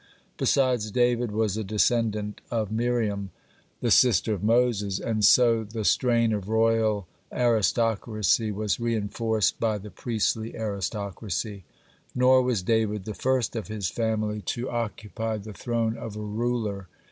Besides, David was a descendant of Miriam, (2) the sister of Moses, and so the strain of royal aristocracy was reinforced by the priestly aristocracy. Nor was David the first of his family to occupy the throne of a ruler.